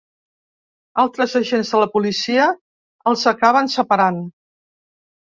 Altres agents de la policia els acaben separant.